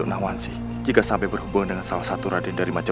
kamu sudah jalan jalan dengan sarang rade